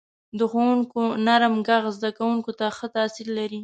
• د ښوونکو نرم ږغ زده کوونکو ته ښه تاثیر لري.